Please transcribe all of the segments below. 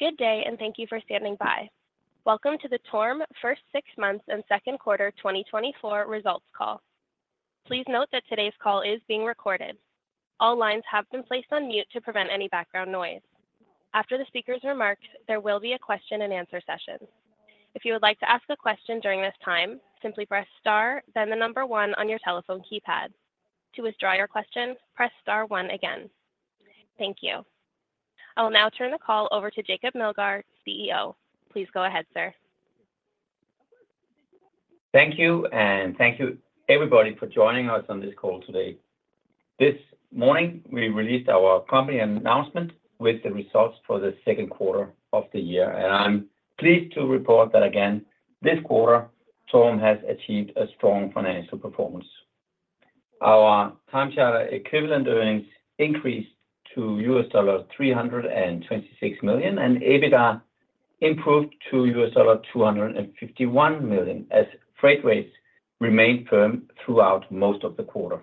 Good day, and thank you for standing by. Welcome to the TORM First Six Months and Second Quarter 2024 results call. Please note that today's call is being recorded. All lines have been placed on mute to prevent any background noise. After the speaker's remarks, there will be a question and answer session. If you would like to ask a question during this time, simply press star, then the number one on your telephone keypad. To withdraw your question, press star one again. Thank you. I will now turn the call over to Jacob Meldgaard, CEO. Please go ahead, sir. Thank you, and thank you everybody for joining us on this call today. This morning, we released our company announcement with the results for the second quarter of the year, and I'm pleased to report that again, this quarter, TORM has achieved a strong financial performance. Our time charter equivalent earnings increased to $326 million, and EBITDA improved to $251 million, as freight rates remained firm throughout most of the quarter.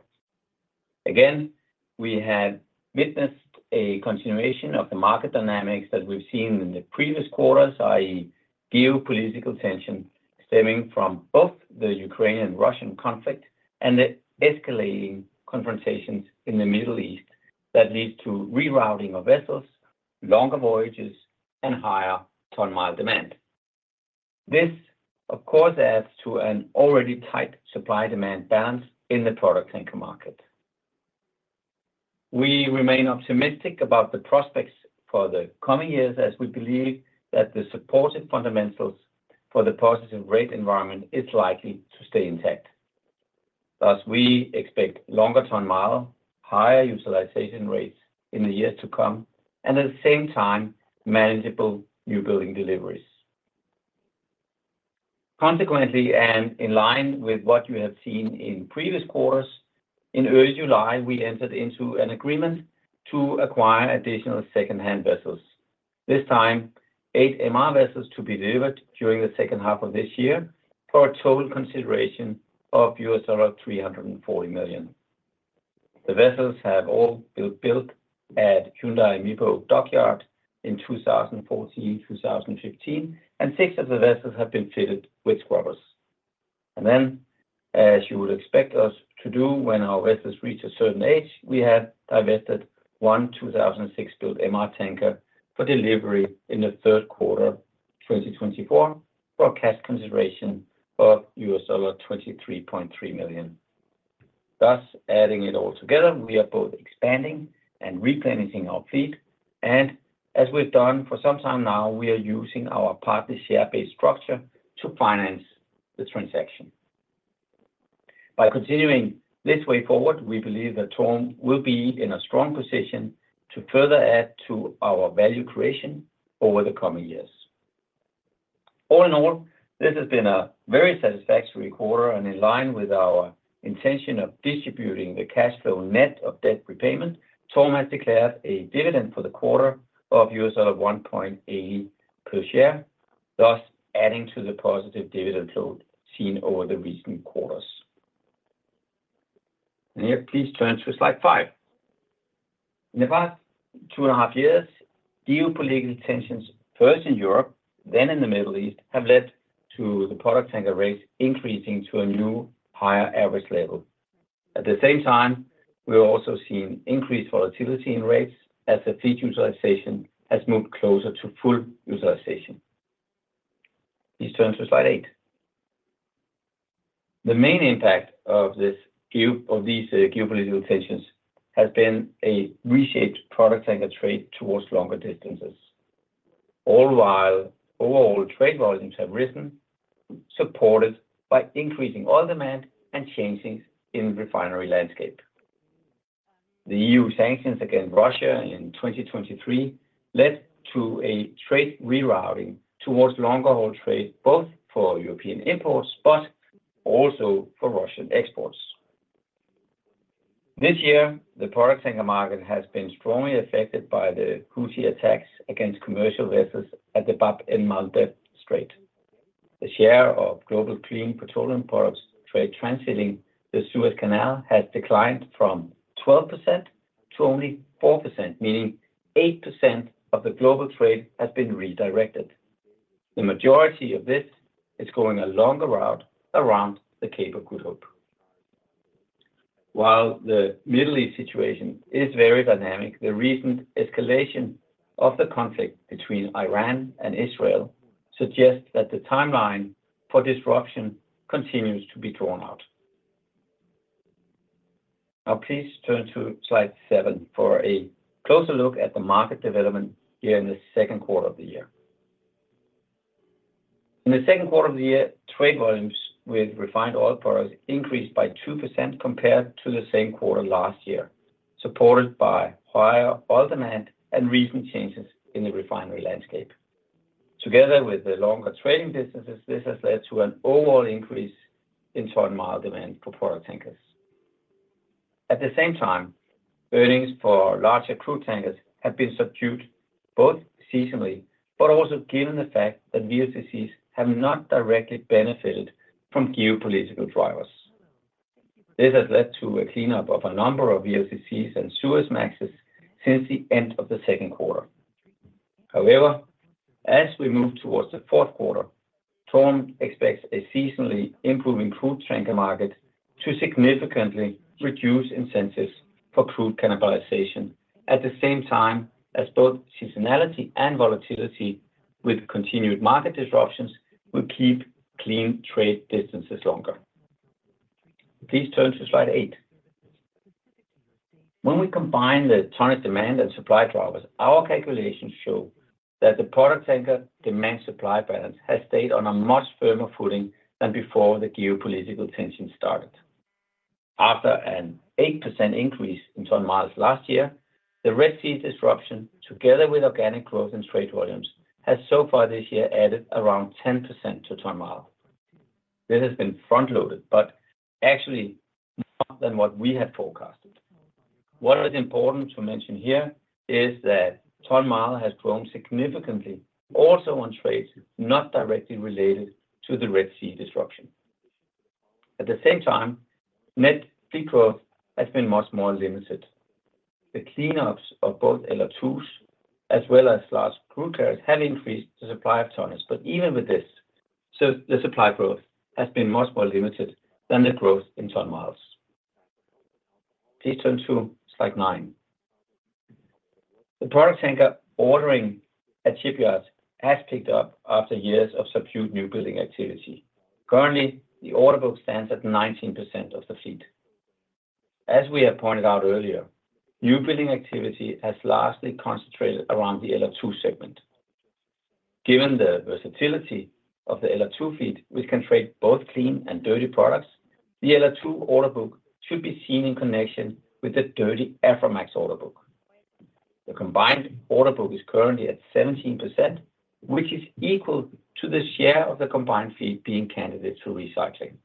Again, we have witnessed a continuation of the market dynamics that we've seen in the previous quarters, i.e., geopolitical tension stemming from both the Ukrainian-Russian conflict and the escalating confrontations in the Middle East that lead to rerouting of vessels, longer voyages, and higher ton-mile demand. This, of course, adds to an already tight supply-demand balance in the product tanker market. We remain optimistic about the prospects for the coming years, as we believe that the supportive fundamentals for the positive rate environment is likely to stay intact. Thus, we expect longer ton-mile, higher utilization rates in the years to come, and at the same time, manageable newbuilding deliveries. Consequently, and in line with what you have seen in previous quarters, in early July, we entered into an agreement to acquire additional second-hand vessels. This time, 8 MR vessels to be delivered during the second half of this year, for a total consideration of $340 million. The vessels have all been built at Hyundai Mipo Dockyard in 2014, 2015, and 6 of the vessels have been fitted with scrubbers. As you would expect us to do when our vessels reach a certain age, we have divested one 2006-built MR tanker for delivery in the third quarter, 2024, for a cash consideration of $23.3 million. Thus, adding it all together, we are both expanding and replenishing our fleet, and as we've done for some time now, we are using our partner share-based structure to finance the transaction. By continuing this way forward, we believe that TORM will be in a strong position to further add to our value creation over the coming years. All in all, this has been a very satisfactory quarter and in line with our intention of distributing the cash flow net of debt repayment, TORM has declared a dividend for the quarter of $1.8 per share, thus adding to the positive dividend load seen over the recent quarters. Here, please turn to slide five. In the past two and a half years, geopolitical tensions, first in Europe, then in the Middle East, have led to the product tanker rates increasing to a new, higher average level. At the same time, we've also seen increased volatility in rates as the fleet utilization has moved closer to full utilization. Please turn to slide eight. The main impact of these geopolitical tensions has been a reshaped product tanker trade towards longer distances. All while overall trade volumes have risen, supported by increasing oil demand and changes in refinery landscape. The EU sanctions against Russia in 2023 led to a trade rerouting towards longer haul trade, both for European imports but also for Russian exports. This year, the product tanker market has been strongly affected by the Houthi attacks against commercial vessels at the Bab al-Mandab Strait. The share of global clean petroleum products trade transiting the Suez Canal has declined from 12% to only 4%, meaning 8% of the global trade has been redirected. The majority of this is going a longer route around the Cape of Good Hope. While the Middle East situation is very dynamic, the recent escalation of the conflict between Iran and Israel suggests that the timeline for disruption continues to be drawn out. Now, please turn to slide 7 for a closer look at the market development here in the second quarter of the year. In the second quarter of the year, trade volumes with refined oil products increased by 2% compared to the same quarter last year, supported by higher oil demand and recent changes in the refinery landscape. Together with the longer trading distances, this has led to an overall increase in ton-mile demand for product tankers. At the same time, earnings for larger crude tankers have been subdued, both seasonally, but also given the fact that VLCCs have not directly benefited from geopolitical drivers.... This has led to a cleanup of a number of VLCCs and Suezmaxes since the end of the second quarter. However, as we move towards the fourth quarter, TORM expects a seasonally improving crude tanker market to significantly reduce incentives for crude cannibalization, at the same time as both seasonality and volatility with continued market disruptions will keep clean trade distances longer. Please turn to slide 8. When we combine the tonnage demand and supply drivers, our calculations show that the product tanker demand supply balance has stayed on a much firmer footing than before the geopolitical tension started. After an 8% increase in ton miles last year, the Red Sea disruption, together with organic growth and trade volumes, has so far this year added around 10% to ton miles. This has been front-loaded, but actually, more than what we had forecasted. What is important to mention here is that ton mile has grown significantly, also on trades not directly related to the Red Sea disruption. At the same time, net fleet growth has been much more limited. The clean-ups of both LR2s, as well as large crude carriers, have increased the supply of tonnages. But even with this, so the supply growth has been much more limited than the growth in ton-miles. Please turn to slide 9. The product tanker ordering at shipyards has picked up after years of subdued newbuilding activity. Currently, the order book stands at 19% of the fleet. As we have pointed out earlier, newbuilding activity has largely concentrated around the LR2 segment. Given the versatility of the LR2 fleet, which can trade both clean and dirty products, the LR2 order book should be seen in connection with the dirty Aframax order book. The combined order book is currently at 17%, which is equal to the share of the combined fleet being candidate to recycling.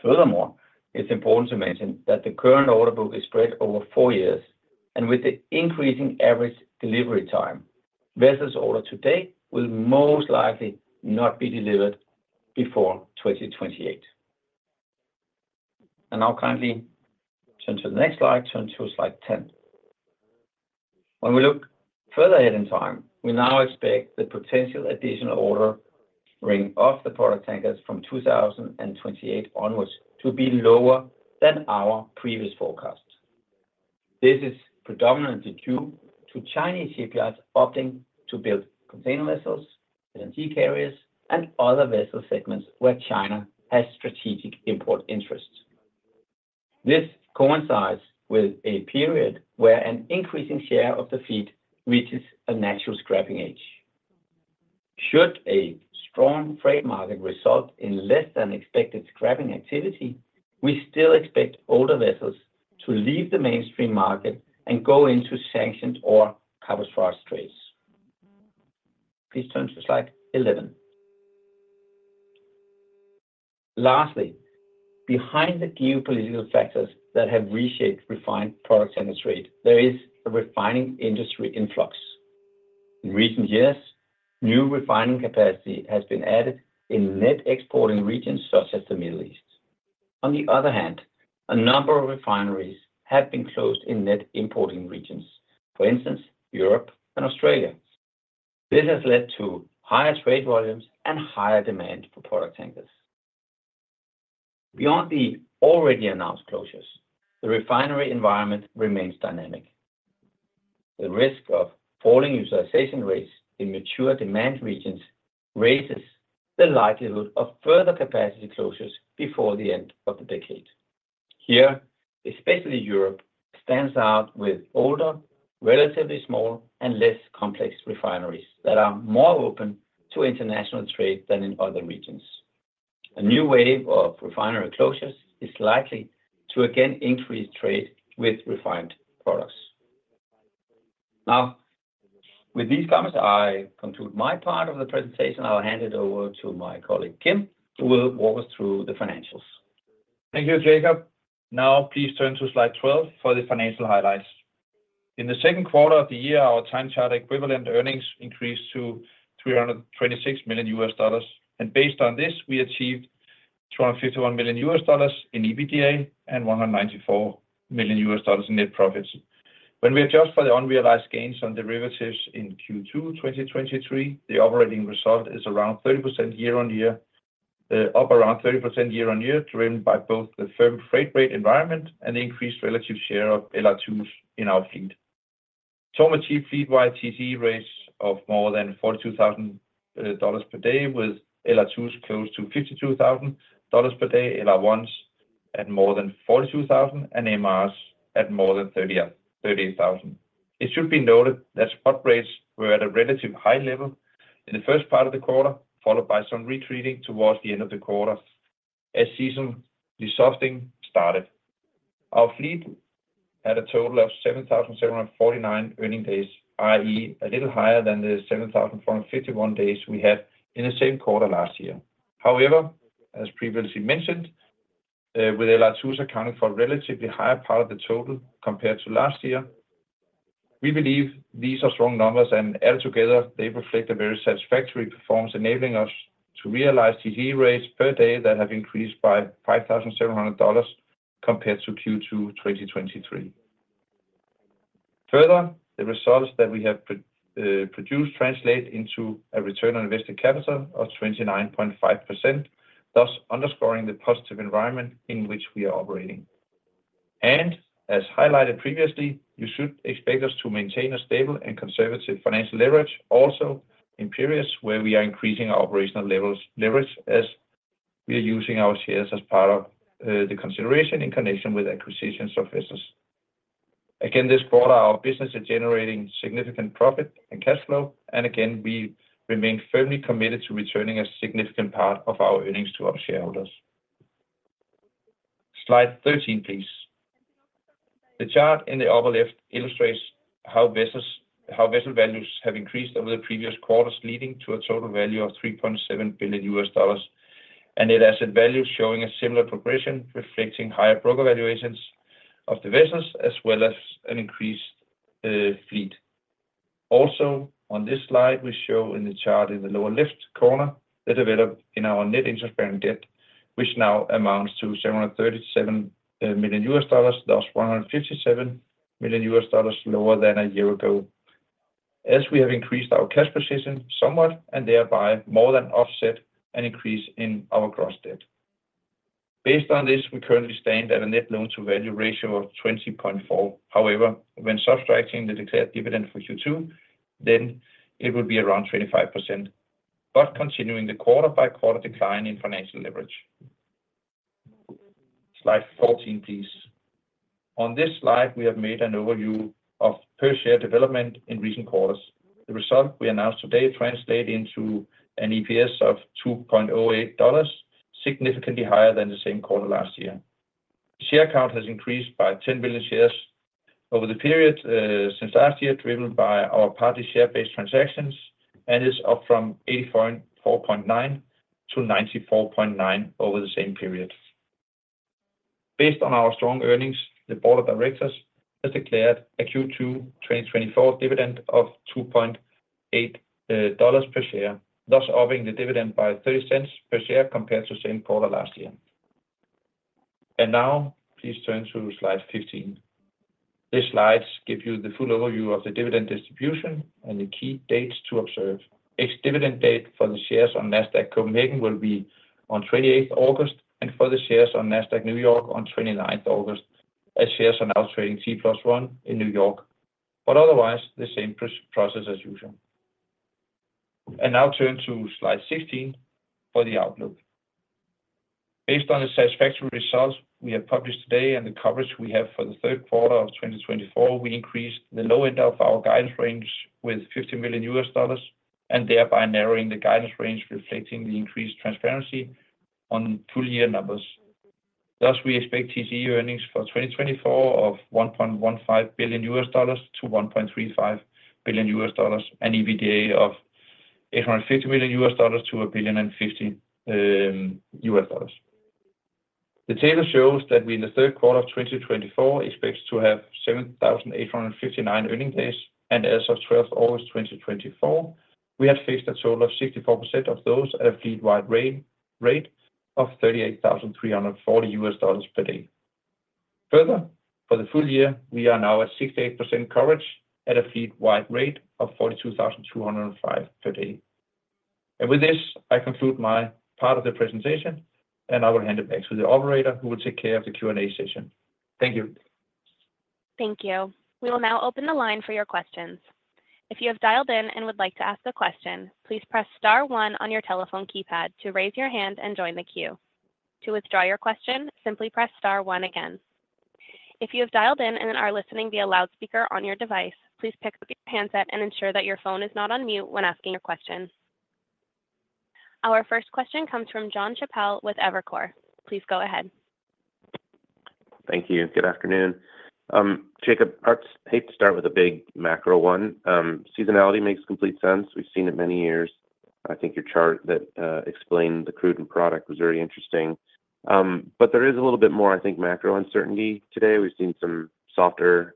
Furthermore, it's important to mention that the current order book is spread over 4 years, and with the increasing average delivery time, vessels ordered today will most likely not be delivered before 2028. Now, kindly turn to the next slide. Turn to slide 10. When we look further ahead in time, we now expect the potential additional ordering of the product tankers from 2028 onwards to be lower than our previous forecast. This is predominantly due to Chinese shipyards opting to build container vessels, LNG carriers, and other vessel segments where China has strategic import interests. This coincides with a period where an increasing share of the fleet reaches a natural scrapping age. Should a strong freight market result in less than expected scrapping activity, we still expect older vessels to leave the mainstream market and go into sanctions or cover frost trades. Please turn to slide 11. Lastly, behind the geopolitical factors that have reshaped refined products and the trade, there is a refining industry in flux. In recent years, new refining capacity has been added in net exporting regions such as the Middle East. On the other hand, a number of refineries have been closed in net importing regions, for instance, Europe and Australia. This has led to higher trade volumes and higher demand for product tankers. Beyond the already announced closures, the refinery environment remains dynamic. The risk of falling utilization rates in mature demand regions raises the likelihood of further capacity closures before the end of the decade. Here, especially Europe stands out with older, relatively small, and less complex refineries that are more open to international trade than in other regions. A new wave of refinery closures is likely to again increase trade with refined products. Now, with these comments, I conclude my part of the presentation. I'll hand it over to my colleague, Kim, who will walk us through the financials. Thank you, Jacob. Now, please turn to slide 12 for the financial highlights. In the second quarter of the year, our time charter equivalent earnings increased to $326 million, and based on this, we achieved $251 million in EBITDA and $194 million in net profits. When we adjust for the unrealized gains on derivatives in Q2 2023, the operating result is around 30% year-on-year, up around 30% year-on-year, driven by both the firm freight rate environment and the increased relative share of LR2s in our fleet. TORM achieved fleet-wide TC rates of more than $42,000 per day, with LR2s close to $52,000 per day, LR1s at more than $42,000, and MRs at more than $38,000. It should be noted that spot rates were at a relatively high level in the first part of the quarter, followed by some retreating towards the end of the quarter as season softening started. Our fleet had a total of 7,749 earning days, i.e., a little higher than the 7,451 days we had in the same quarter last year. However, as previously mentioned, with LR2s accounting for a relatively higher part of the total compared to last year. We believe these are strong numbers, and altogether, they reflect a very satisfactory performance, enabling us to realize TCE rates per day that have increased by $5,700 compared to Q2 2023. Further, the results that we have produced translate into a return on invested capital of 29.5%, thus underscoring the positive environment in which we are operating. And as highlighted previously, you should expect us to maintain a stable and conservative financial leverage, also in periods where we are increasing our operational levels, leverage, as we are using our shares as part of the consideration in connection with acquisitions of vessels. Again, this quarter, our business is generating significant profit and cash flow, and again, we remain firmly committed to returning a significant part of our earnings to our shareholders. Slide 13, please. The chart in the upper left illustrates how vessel values have increased over the previous quarters, leading to a total value of $3.7 billion, and Net Asset Value showing a similar progression, reflecting higher broker valuations of the vessels, as well as an increased fleet. Also, on this slide, we show in the chart in the lower left corner, the development in our net interest-bearing debt, which now amounts to $737 million, thus $157 million lower than a year ago. As we have increased our cash position somewhat, and thereby more than offset an increase in our gross debt. Based on this, we currently stand at a net Loan-to-Value ratio of 20.4. However, when subtracting the declared dividend for Q2, then it will be around 25%, but continuing the quarter-by-quarter decline in financial leverage. Slide 14, please. On this slide, we have made an overview of per share development in recent quarters. The result we announced today translate into an EPS of $2.08, significantly higher than the same quarter last year. Share count has increased by 10 million shares over the period, since last year, driven by our equity share-based transactions, and is up from 84.9 to 94.9 over the same period. Based on our strong earnings, the board of directors has declared a Q2 2024 dividend of $2.80 per share, thus upping the dividend by $0.30 per share compared to the same quarter last year. And now please turn to slide 15. These slides give you the full overview of the dividend distribution and the key dates to observe. Ex-dividend date for the shares on Nasdaq Copenhagen will be on 28th August, and for the shares on Nasdaq New York on 29th August, as shares are now trading T plus one in New York, but otherwise, the same process as usual. And now turn to slide 16 for the outlook. Based on the satisfactory results we have published today and the coverage we have for the third quarter of 2024, we increased the low end of our guidance range with $50 million, and thereby narrowing the guidance range, reflecting the increased transparency on full year numbers. Thus, we expect TCE earnings for 2024 of $1.15 billion-$1.35 billion, and EBITDA of $850 million-$1.05 billion. The table shows that we, in the third quarter of 2024, expect to have 7,859 earning days, and as of 12 August 2024, we had fixed a total of 64% of those at a fleet-wide rate of $38,340 per day. Further, for the full year, we are now at 68% coverage at a fleet-wide rate of $42,205 per day. And with this, I conclude my part of the presentation, and I will hand it back to the operator, who will take care of the Q&A session. Thank you. Thank you. We will now open the line for your questions. If you have dialed in and would like to ask a question, please press star one on your telephone keypad to raise your hand and join the queue. To withdraw your question, simply press star one again. If you have dialed in and are listening via loudspeaker on your device, please pick up your handset and ensure that your phone is not on mute when asking a question. Our first question comes from Jonathan Chappell with Evercore ISI. Please go ahead. Thank you. Good afternoon. Jacob, I'd hate to start with a big macro one. Seasonality makes complete sense. We've seen it many years. I think your chart that explained the crude and product was very interesting. But there is a little bit more, I think, macro uncertainty today. We've seen some softer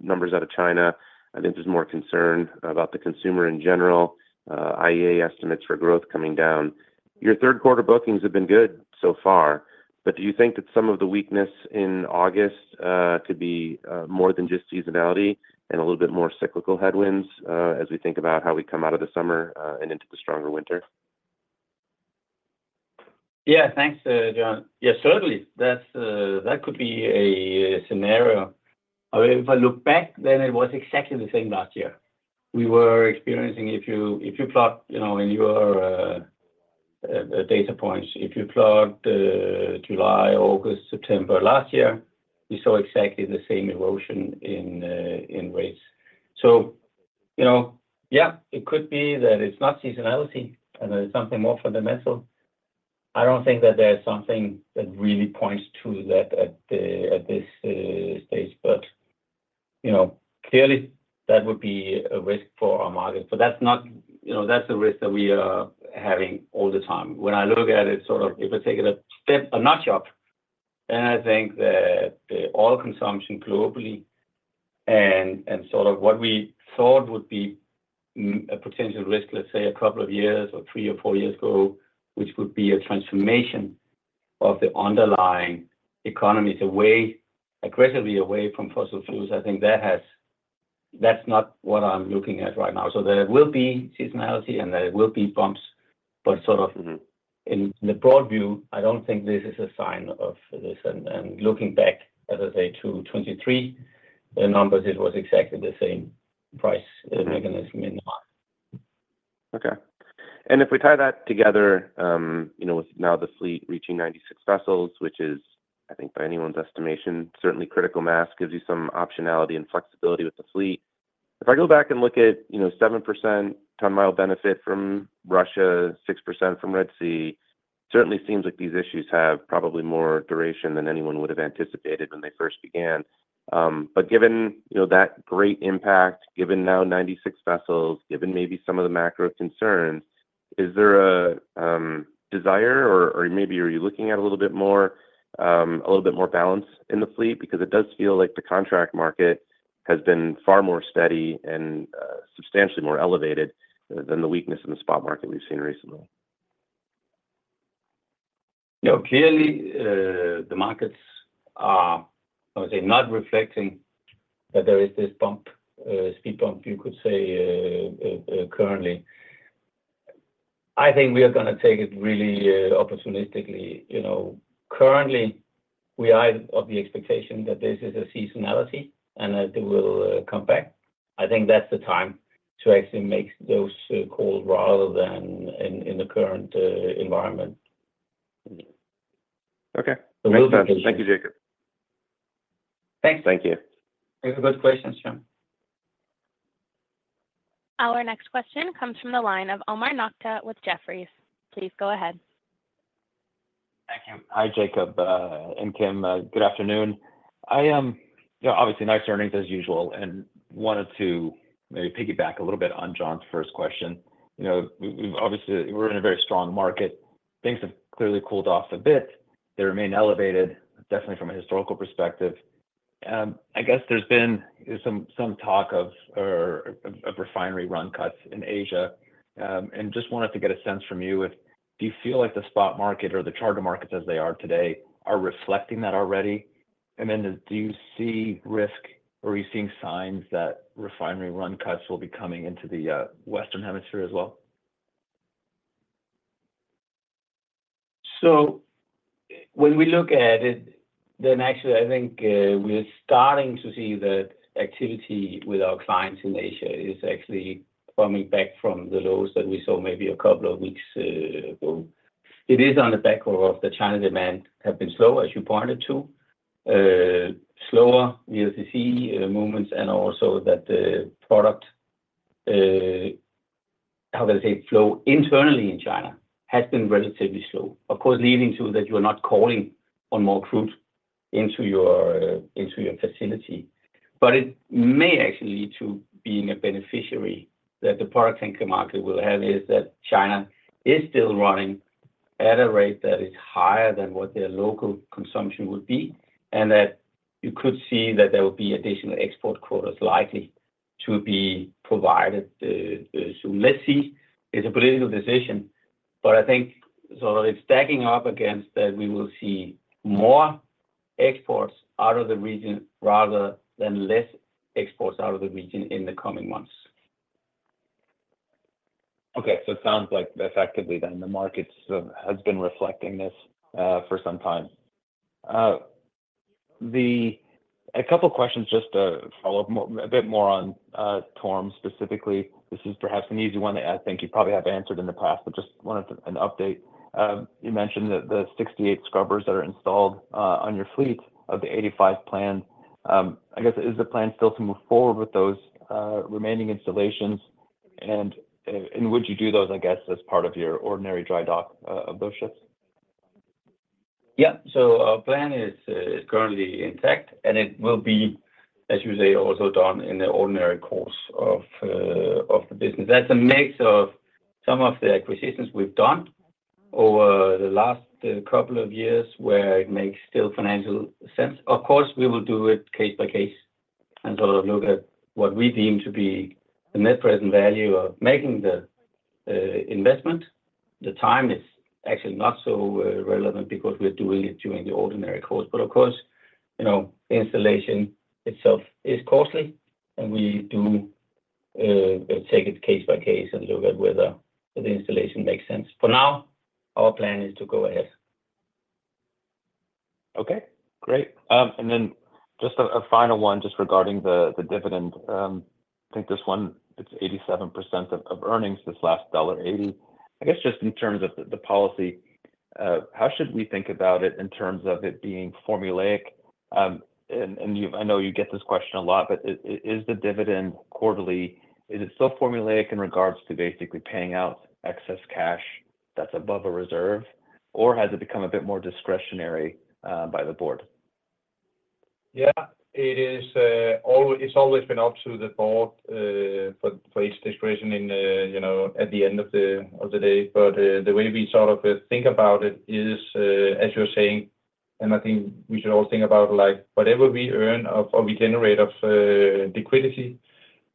numbers out of China. I think there's more concern about the consumer in general, IEA estimates for growth coming down. Your third quarter bookings have been good so far, but do you think that some of the weakness in August could be more than just seasonality and a little bit more cyclical headwinds, as we think about how we come out of the summer and into the stronger winter? Yeah. Thanks, John. Yeah, certainly, that's that could be a scenario. If I look back, then it was exactly the same last year. We were experiencing if you, if you plot, you know, in your data points, if you plot July, August, September last year, we saw exactly the same erosion in rates. So, you know, yeah, it could be that it's not seasonality and it's something more fundamental. I don't think that there's something that really points to that at this stage, but, you know, clearly, that would be a risk for our market. But that's not... You know, that's a risk that we are having all the time. When I look at it, sort of, if I take it a step, a notch up-... And I think that the oil consumption globally and sort of what we thought would be a potential risk, let's say, a couple of years or three or four years ago, which would be a transformation of the underlying economies away, aggressively away from fossil fuels. I think that has. That's not what I'm looking at right now. So there will be seasonality, and there will be bumps, but sort of- In the broad view, I don't think this is a sign of this. And, and looking back, as I say, to 2023, the numbers, it was exactly the same price mechanism in the market. Okay. And if we tie that together, you know, with now the fleet reaching 96 vessels, which is, I think by anyone's estimation, certainly critical mass gives you some optionality and flexibility with the fleet. If I go back and look at, you know, 7% ton-mile benefit from Russia, 6% from Red Sea, certainly seems like these issues have probably more duration than anyone would have anticipated when they first began. But given, you know, that great impact, given now 96 vessels, given maybe some of the macro concerns, is there a desire, or, or maybe are you looking at a little bit more, a little bit more balance in the fleet? Because it does feel like the contract market has been far more steady and substantially more elevated than the weakness in the spot market we've seen recently. You know, clearly, the markets are, I would say, not reflecting that there is this bump, speed bump, you could say, currently. I think we are gonna take it really, opportunistically, you know. Currently, we are of the expectation that this is a seasonality and that it will, come back. I think that's the time to actually make those calls, rather than in the current, environment. Okay. So we'll be- Thank you, Jacob. Thanks. Thank you. These are good questions, John. Our next question comes from the line of Omar Nokta with Jefferies. Please go ahead. Thank you. Hi, Jacob, and Kim. Good afternoon. I, you know, obviously, nice earnings as usual, and wanted to maybe piggyback a little bit on John's first question. You know, we've obviously, we're in a very strong market. Things have clearly cooled off a bit. They remain elevated, definitely from a historical perspective. I guess there's been some talk of refinery run cuts in Asia, and just wanted to get a sense from you if, do you feel like the spot market or the charter markets as they are today are reflecting that already? And then do you see risk, or are you seeing signs that refinery run cuts will be coming into the Western Hemisphere as well? So when we look at it, then actually, I think, we're starting to see that activity with our clients in Asia is actually coming back from the lows that we saw maybe a couple of weeks ago. It is on the back of the China demand have been slow, as you pointed to. Slower VLCC movements, and also that the product, how do I say, flow internally in China has been relatively slow. Of course, leading to that, you are not calling on more crude into your, into your facility. But it may actually lead to being a beneficiary, that the product tanker market will have, is that China is still running at a rate that is higher than what their local consumption would be, and that you could see that there will be additional export quotas likely to be provided. So let's see. It's a political decision, but I think so it's stacking up against that we will see more exports out of the region rather than less exports out of the region in the coming months. Okay. So it sounds like effectively then, the market sort of has been reflecting this for some time. A couple of questions just to follow up more, a bit more on terms specifically. This is perhaps an easy one that I think you probably have answered in the past, but just wanted an update. You mentioned that the 68 scrubbers that are installed on your fleet of the 85 plan. I guess, is the plan still to move forward with those remaining installations? And would you do those, I guess, as part of your ordinary dry dock of those ships? Yeah. So our plan is, is currently intact, and it will be, as you say, also done in the ordinary course of, of the business. That's a mix of some of the acquisitions we've done over the last couple of years, where it makes still financial sense. Of course, we will do it case by case and sort of look at what we deem to be the net present value of making the, investment. The time is actually not so relevant because we're doing it during the ordinary course. But of course, you know, installation itself is costly, and we do, take it case by case and look at whether the installation makes sense. For now, our plan is to go ahead. Okay, great. And then just a final one, just regarding the dividend. I think this one, it's 87% of earnings, this last $80. I guess, just in terms of the policy, how should we think about it in terms of it being formulaic? And, and you-- I know you get this question a lot, but is the dividend quarterly, is it still formulaic in regards to basically paying out excess cash that's above a reserve, or has it become a bit more discretionary by the board?... Yeah, it is, it's always been up to the board, for its discretion in, you know, at the end of the day. But, the way we sort of think about it is, as you're saying, and I think we should all think about, like, whatever we earn of, or we generate of, liquidity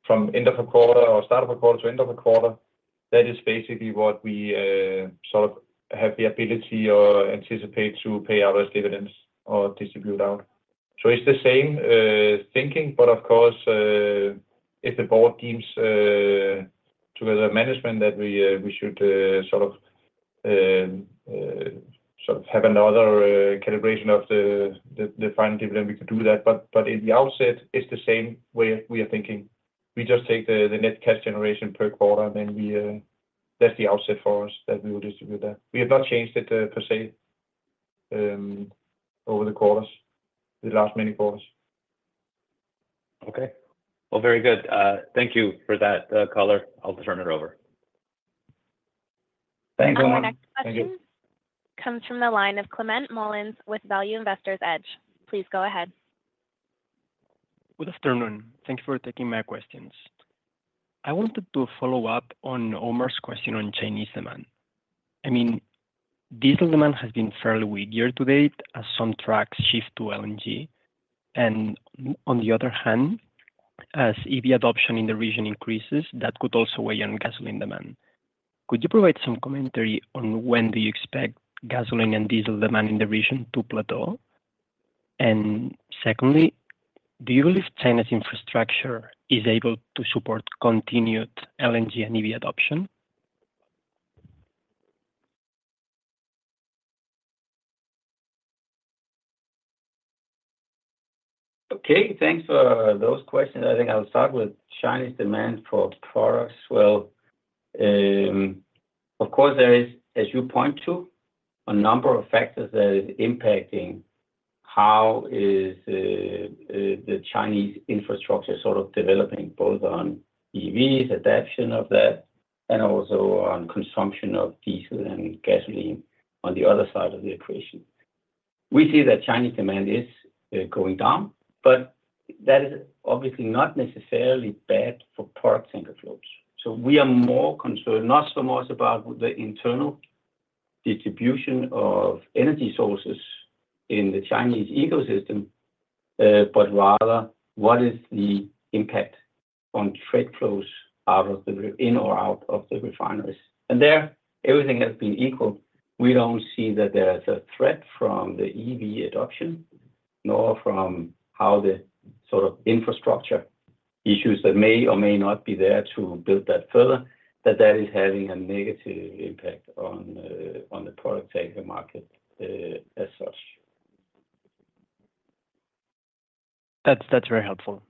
from end of a quarter or start of a quarter to end of a quarter, that is basically what we sort of have the ability or anticipate to pay out as dividends or distribute out. So it's the same thinking, but of course, if the board deems, together with management, that we should sort of have another calibration of the final dividend, we could do that. But in the outset, it's the same way we are thinking. We just take the net cash generation per quarter, then that's the outset for us, that we will distribute that. We have not changed it, per se, over the quarters, the last many quarters. Okay. Well, very good. Thank you for that, color. I'll turn it over. Thanks, Omar. Our next question- Thank you. Comes from the line of Climent Molins with Value Investor's Edge. Please go ahead. Good afternoon. Thank you for taking my questions. I wanted to follow up on Omar's question on Chinese demand. I mean, diesel demand has been fairly weak year to date as some trucks shift to LNG. And on the other hand, as EV adoption in the region increases, that could also weigh on gasoline demand. Could you provide some commentary on when do you expect gasoline and diesel demand in the region to plateau? And secondly, do you believe China's infrastructure is able to support continued LNG and EV adoption? Okay, thanks for those questions. I think I'll start with Chinese demand for products. Well, of course, there is, as you point to, a number of factors that is impacting how the Chinese infrastructure sort of developing, both on EVs, adoption of that, and also on consumption of diesel and gasoline on the other side of the equation. We see that Chinese demand is going down, but that is obviously not necessarily bad for product tanker flows. So we are more concerned, not so much about the internal distribution of energy sources in the Chinese ecosystem, but rather what is the impact on trade flows out of the refineries? And there, everything has been equal. We don't see that there is a threat from the EV adoption, nor from how the sort of infrastructure issues that may or may not be there to build that further, that that is having a negative impact on the product tanker market, as such. That's very helpful.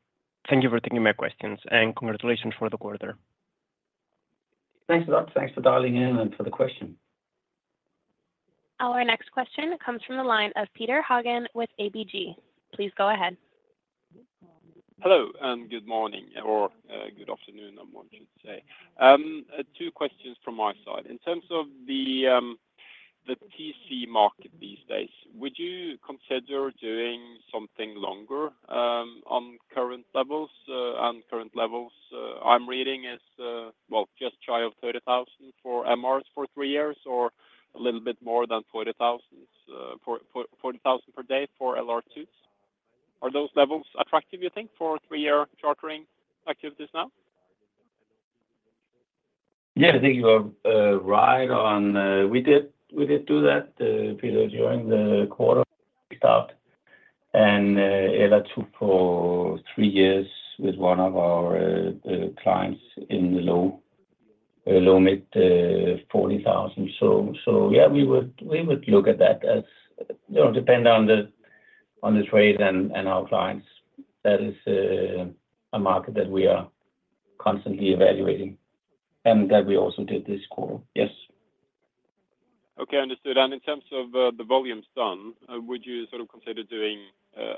Thank you for taking my questions, and congratulations for the quarter. Thanks a lot. Thanks for dialing in and for the question. Our next question comes from the line of Petter Haugen with ABG. Please go ahead. Hello, and good morning, or good afternoon, I want to say. Two questions from my side. In terms of the TC market these days, would you consider doing something longer, on current levels, on current levels? I'm reading is, well, just shy of $30,000 for MRs for three years, or a little bit more than $40,000, for $40,000 per day for LR2s. Are those levels attractive, you think, for three-year chartering activities now? Yeah, I think you are right on. We did, we did do that, Petter, during the quarter start, and that took for 3 years with one of our clients in the low, low mid 40,000. So yeah, we would, we would look at that as, you know, depend on the, on the trade and our clients. That is a market that we are constantly evaluating, and that we also did this call. Yes. Okay, understood. And in terms of the volumes done, would you sort of consider doing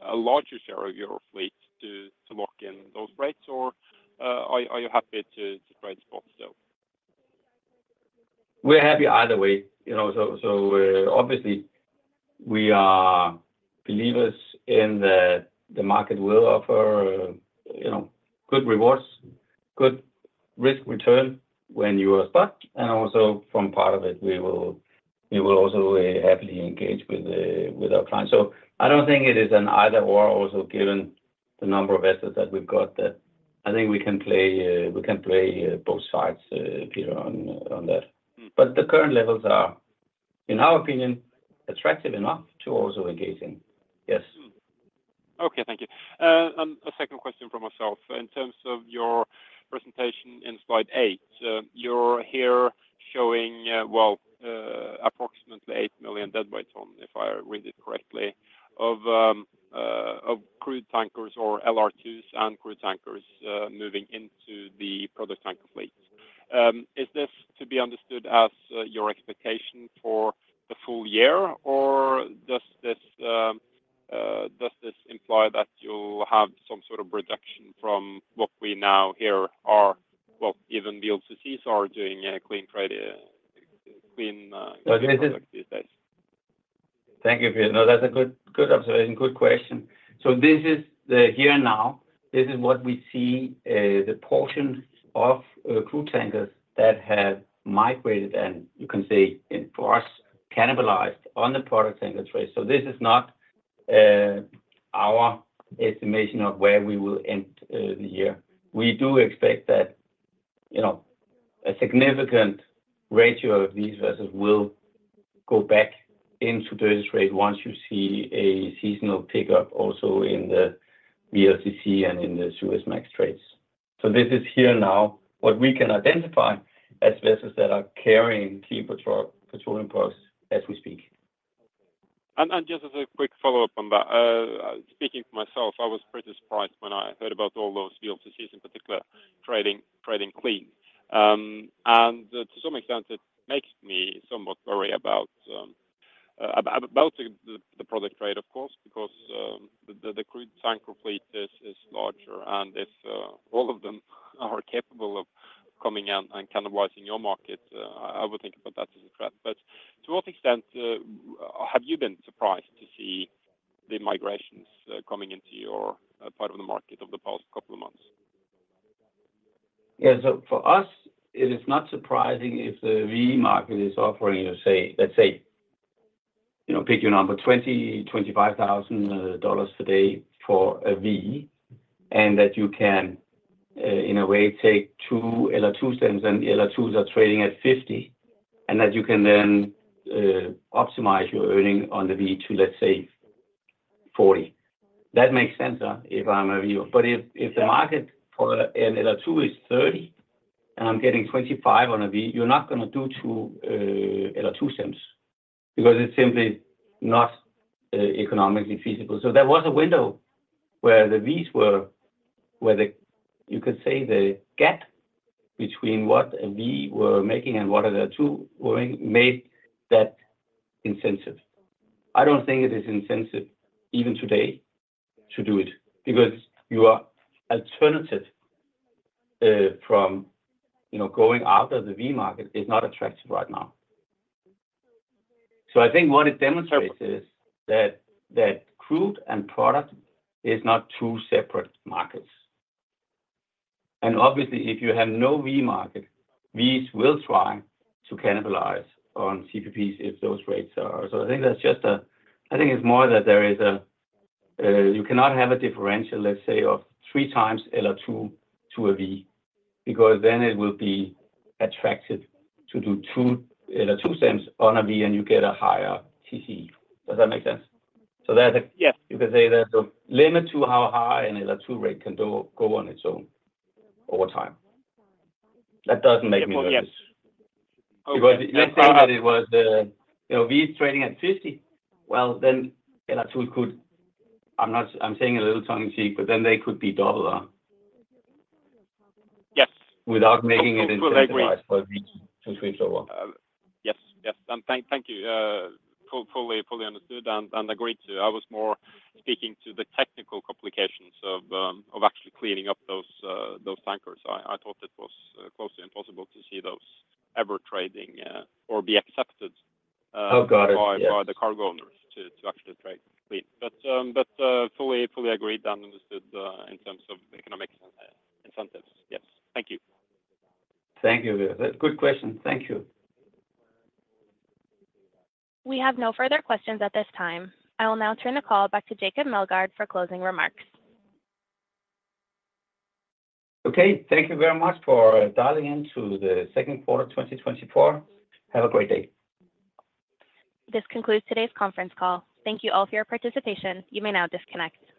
a larger share of your fleet to lock in those rates? Or are you happy to trade spot, so? We're happy either way, you know. So, obviously, we are believers in the market will offer, you know, good rewards, good risk return when you are stuck. And also from part of it, we will also happily engage with our clients. So I don't think it is an either/or, also given the number of assets that we've got, that I think we can play both sides, Peter, on that. The current levels are, in our opinion, attractive enough to also engage in. Yes. Mm. Okay, thank you. And a second question from myself. In terms of your presentation in slide 8, you're here showing approximately 8 million deadweight ton, if I read it correctly, of crude tankers or LR2s and crude tankers moving into the product tanker fleet. Is this to be understood as your expectation for the full year, or does this imply that you'll have some sort of reduction from what we now hear are, well, even the OCCs are doing a clean trade.... Thank you, no, that's a good, good observation. Good question. So this is the here and now, this is what we see, the portions of crude tankers that have migrated, and you can say, and for us, cannibalized on the product tanker trade. So this is not our estimation of where we will end the year. We do expect that, you know, a significant ratio of these vessels will go back into the trade once you see a seasonal pickup also in the VLCC and in the Suezmax trades. So this is here now, what we can identify as vessels that are carrying clean petroleum products as we speak. Okay. And just as a quick follow-up on that, speaking for myself, I was pretty surprised when I heard about all those VLCCs, in particular, trading clean. And to some extent, it makes me somewhat worry about the product trade, of course, because the crude tanker fleet is larger, and if all of them are capable of coming out and cannibalizing your market, I would think about that as a threat. But to what extent have you been surprised to see the migrations coming into your part of the market over the past couple of months? Yeah, so for us, it is not surprising if the V market is offering, you say, let's say, you know, pick your number, $20,000-$25,000 today for a V, and that you can, in a way take two LR2s, and LR2s are trading at $50,000, and that you can then, optimize your earning on the V to, let's say, $40,000. That makes sense, if I'm a V. But if, if the market for an LR2 is $30,000, and I'm getting $25,000 on a V, you're not gonna do two, LR2s because it's simply not, economically feasible. So there was a window where the Vs were where the, you could say, the gap between what a V were making and what LR2 were making, made that incentive. I don't think it is incentive even today to do it, because your alternative from, you know, going after the V market is not attractive right now. So I think what it demonstrates is that, that crude and product is not two separate markets. And obviously, if you have no V market, Vs will try to cannibalize on CPPs if those rates are... So I think that's just I think it's more that there is a, you cannot have a differential, let's say, of three times LR2 to a V, because then it will be attractive to do two, LR2 stems on a V, and you get a higher TC. Does that make sense? Yes. So there's a limit to how high an LR2 rate can go on its own over time. That doesn't make me nervous. Yes. Because let's say that it was, you know, Vs trading at $50, well, then LR2 could- I'm not, I'm saying a little tongue in cheek, but then they could be double, Yes without making it cannibalized for V to switch over. Yes, and thank you. Fully understood and agreed to. I was more speaking to the technical complications of actually cleaning up those tankers. I thought it was nearly impossible to see those ever trading or be accepted. Oh, got it. Yes. by the cargo owners to actually trade clean. But fully agreed and understood in terms of economic incentives. Yes. Thank you. Thank you. That's a good question. Thank you. We have no further questions at this time. I will now turn the call back to Jacob Meldgaard for closing remarks. Okay. Thank you very much for dialing in to the second quarter of 2024. Have a great day. This concludes today's conference call. Thank you all for your participation. You may now disconnect.